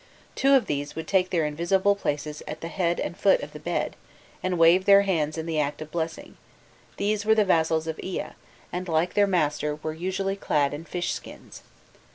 Two of these would take their invisible places at the head and foot of the bed, and wave their hands in the act of blessing: these were the vassals of Ea, and, like their master, were usually clad in fish skins.